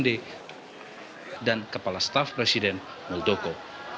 dan kepala staf presiden muldoko